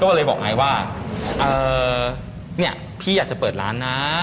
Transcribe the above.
ก็เลยบอกไอซ์ว่าเนี่ยพี่อยากจะเปิดร้านนะ